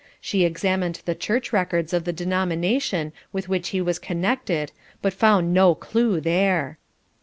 She examined the church records of the denomination with which he was connected, but found no clue there.